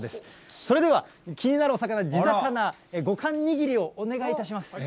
それでは、気になるお魚、地魚５貫にぎりをお願いいたします。